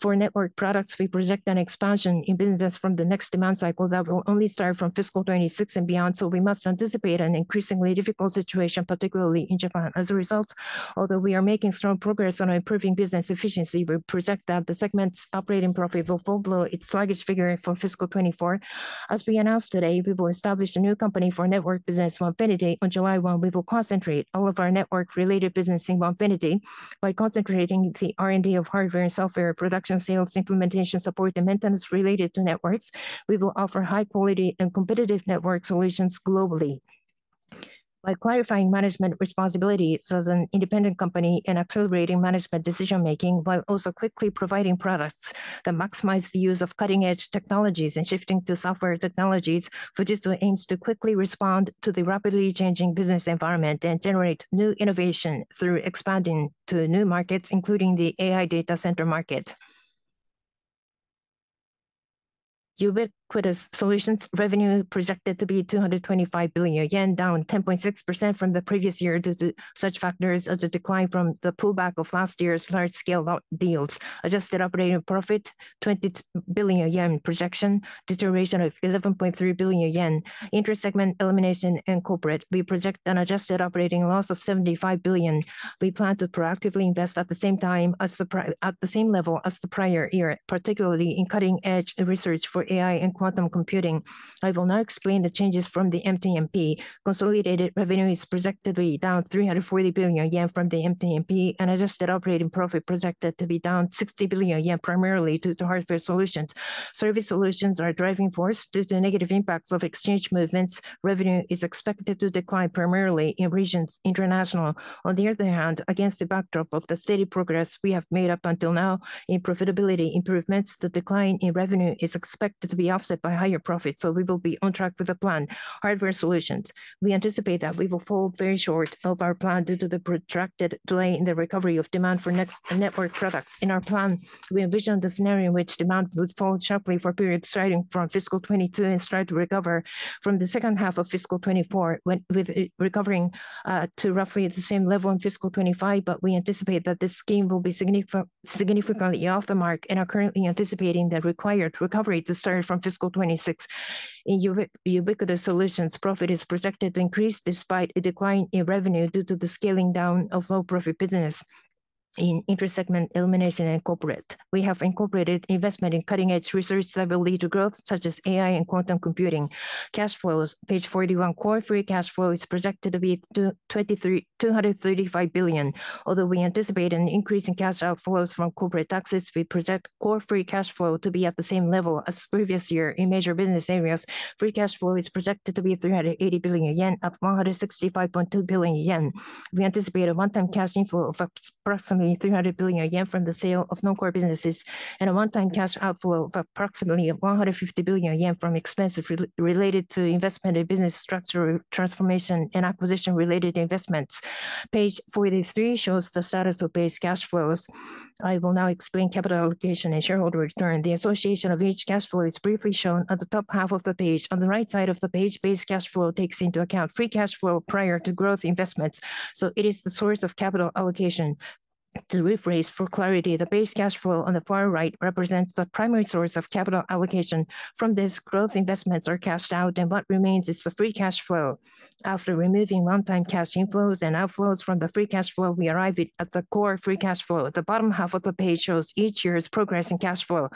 For network products, we project an expansion in business from the next demand cycle that will only start from fiscal 2026 and beyond, so we must anticipate an increasingly difficult situation, particularly in Japan. As a result, although we are making strong progress on improving business efficiency, we project that the segment's operating profit will fall below its sluggish figure for fiscal 2024. As we announced today, we will establish a new company for network business, Onefinity. On July 1, we will concentrate all of our network-related business in Onefinity by concentrating the R&D of hardware and software production, sales, implementation, support, and maintenance related to networks. We will offer high-quality and competitive network solutions globally by clarifying management responsibilities as an independent company and accelerating management decision-making while also quickly providing products that maximize the use of cutting-edge technologies and shifting to software technologies. Fujitsu aims to quickly respond to the rapidly changing business environment and generate new innovation through expanding to new markets, including the AI data center market. Ubiquitous Solutions, revenue projected to be 225 billion yen, down 10.6% from the previous year due to such factors as a decline from the pullback of last year's large-scale deals. Adjusted operating profit, 20 billion yen projection, deterioration of 11.3 billion yen, intersegment elimination and corporate. We project an adjusted operating loss of 75 billion. We plan to proactively invest at the same time as the at the same level as the prior year, particularly in cutting-edge research for AI and quantum computing. I will now explain the changes from the MTMP. Consolidated revenue is projected to be down 340 billion yen from the MTMP, and adjusted operating profit projected to be down 60 billion yen, primarily due to hardware solutions. Service solutions are a driving force due to negative impacts of exchange movements. Revenue is expected to decline primarily in regions international. On the other hand, against the backdrop of the steady progress we have made up until now in profitability improvements, the decline in revenue is expected to be offset by higher profits, so we will be on track with the plan. Hardware solutions, we anticipate that we will fall very short of our plan due to the protracted delay in the recovery of demand for next network products. In our plan, we envision the scenario in which demand would fall sharply for periods starting from fiscal 2022 and start to recover from the second half of fiscal 2024, with recovering to roughly the same level in fiscal 2025, but we anticipate that this scheme will be significantly off the mark and are currently anticipating the required recovery to start from fiscal 2026. In Ubiquitous Solutions, profit is projected to increase despite a decline in revenue due to the scaling down of low-profit business in intersegment elimination and corporate. We have incorporated investment in cutting-edge research that will lead to growth, such as AI and quantum computing. Cash flows, page 41, core free cash flow is projected to be 235 billion. Although we anticipate an increase in cash outflows from corporate taxes, we project core free cash flow to be at the same level as previous year in major business areas. Free cash flow is projected to be 380 billion yen, up 165.2 billion yen. We anticipate a one-time cash inflow of approximately 300 billion yen from the sale of non-core businesses and a one-time cash outflow of approximately 150 billion yen from expenses related to investment in business structure transformation and acquisition-related investments. Page 43 shows the status of base cash flows. I will now explain capital allocation and shareholder return. The association of each cash flow is briefly shown at the top half of the page. On the right side of the page, base cash flow takes into account free cash flow prior to growth investments, so it is the source of capital allocation. To rephrase for clarity, the base cash flow on the far right represents the primary source of capital allocation. From this, growth investments are cashed out, and what remains is the free cash flow. After removing one-time cash inflows and outflows from the free cash flow, we arrive at the core free cash flow. The bottom half of the page shows each year's progress in cash flow.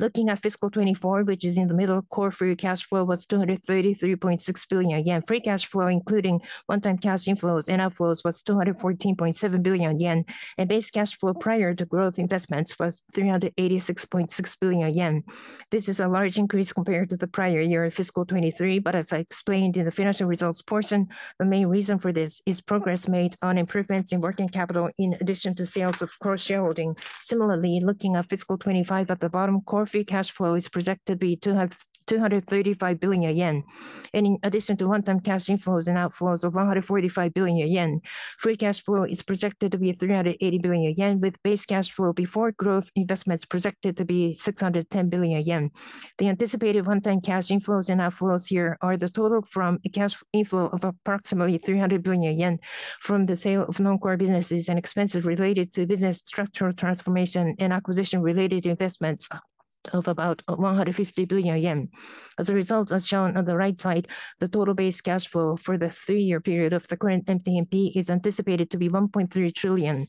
Looking at fiscal 2024, which is in the middle, core free cash flow was 233.6 billion yen. Free cash flow, including one-time cash inflows and outflows, was 214.7 billion yen, and base cash flow prior to growth investments was 386.6 billion yen. This is a large increase compared to the prior year of fiscal 2023, but as I explained in the financial results portion, the main reason for this is progress made on improvements in working capital in addition to sales of core shareholding. Similarly, looking at fiscal 2025, at the bottom, core free cash flow is projected to be 235 billion yen, and in addition to one-time cash inflows and outflows of 145 billion yen, free cash flow is projected to be 380 billion yen, with base cash flow before growth investments projected to be 610 billion yen. The anticipated one-time cash inflows and outflows here are the total from a cash inflow of approximately 300 billion yen from the sale of non-core businesses and expenses related to business structural transformation and acquisition-related investments of about 150 billion yen. As a result, as shown on the right side, the total base cash flow for the three-year period of the current MTMP is anticipated to be 1.3 trillion,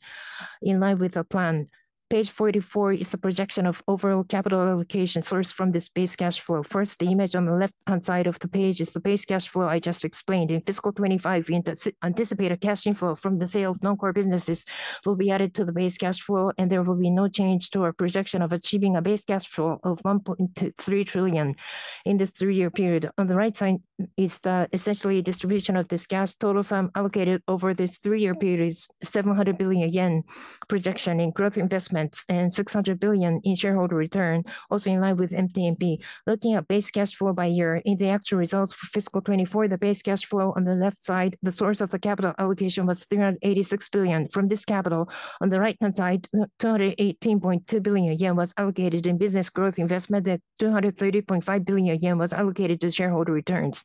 in line with the plan. Page 44 is the projection of overall capital allocation sourced from this base cash flow. First, the image on the left-hand side of the page is the base cash flow I just explained. In fiscal 2025, we anticipate a cash inflow from the sale of non-core businesses will be added to the base cash flow, and there will be no change to our projection of achieving a base cash flow of 1.3 trillion in this three-year period. On the right side is the essentially distribution of this cash. Total sum allocated over this three-year period is 700 billion yen projection in growth investments and 600 billion in shareholder return, also in line with MTMP. Looking at base cash flow by year in the actual results for fiscal 2024, the base cash flow on the left side, the source of the capital allocation, was 386 billion. From this capital, on the right-hand side, 218.2 billion yen was allocated in business growth investment. The 230.5 billion yen was allocated to shareholder returns.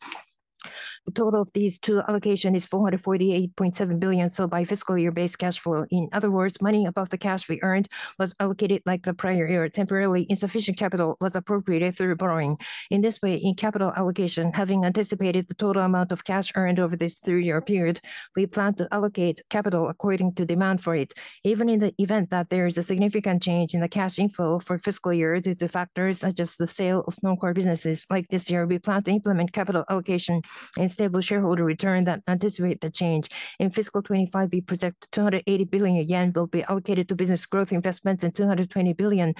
The total of these two allocations is 448.7 billion, so by fiscal year, base cash flow. In other words, money above the cash we earned was allocated like the prior year. Temporarily, insufficient capital was appropriated through borrowing. In this way, in capital allocation, having anticipated the total amount of cash earned over this three-year period, we plan to allocate capital according to demand for it. Even in the event that there is a significant change in the cash inflow for fiscal year due to factors such as the sale of non-core businesses, like this year, we plan to implement capital allocation and stable shareholder return that anticipate the change. In fiscal 2025, we project 280 billion yen will be allocated to business growth investments and 220 billion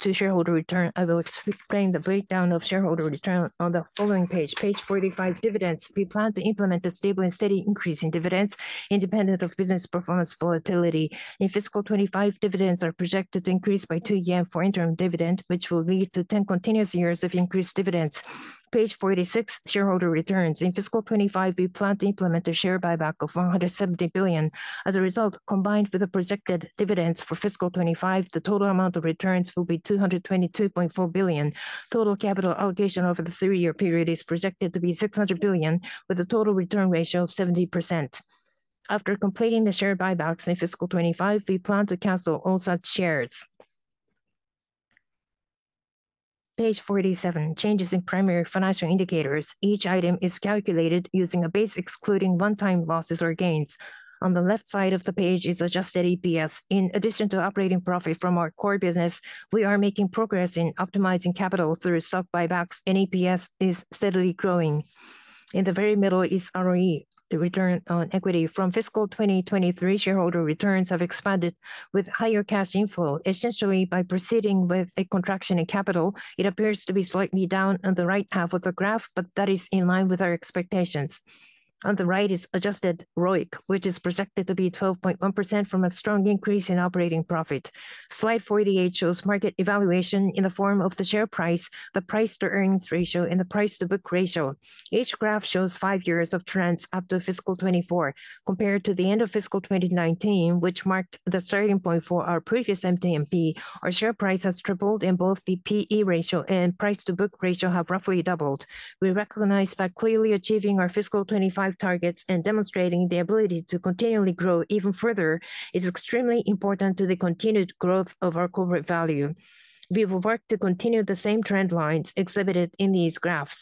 to shareholder return. I will explain the breakdown of shareholder return on the following page. Page 45, dividends. We plan to implement a stable and steady increase in dividends independent of business performance volatility. In fiscal 2025, dividends are projected to increase by 2 yen for interim dividend, which will lead to 10 continuous years of increased dividends. Page 46, shareholder returns. In fiscal 2025, we plan to implement a share buyback of 170 billion. As a result, combined with the projected dividends for fiscal 2025, the total amount of returns will be 222.4 billion. Total capital allocation over the three-year period is projected to be 600 billion, with a total return ratio of 70%. After completing the share buybacks in fiscal 2025, we plan to cancel all such shares. Page 47, changes in primary financial indicators. Each item is calculated using a base excluding one-time losses or gains. On the left side of the page is adjusted EPS. In addition to operating profit from our core business, we are making progress in optimizing capital through stock buybacks, and EPS is steadily growing. In the very middle is ROE, the return on equity. From fiscal 2023, shareholder returns have expanded with higher cash inflow. Essentially, by proceeding with a contraction in capital, it appears to be slightly down on the right half of the graph, but that is in line with our expectations. On the right is adjusted ROIC, which is projected to be 12.1% from a strong increase in operating profit. Slide 48 shows market evaluation in the form of the share price, the price-to-earnings ratio, and the price-to-book ratio. Each graph shows five years of trends up to fiscal 2024. Compared to the end of fiscal 2019, which marked the starting point for our previous MTMP, our share price has tripled and both the PE ratio and price-to-book ratio have roughly doubled. We recognize that clearly achieving our fiscal 2025 targets and demonstrating the ability to continually grow even further is extremely important to the continued growth of our corporate value. We will work to continue the same trend lines exhibited in these graphs.